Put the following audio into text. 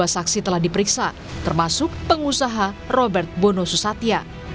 satu ratus tujuh puluh dua saksi telah diperiksa termasuk pengusaha robert bono susatya